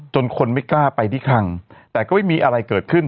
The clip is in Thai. คนไม่กล้าไปที่คลังแต่ก็ไม่มีอะไรเกิดขึ้น